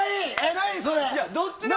何それ？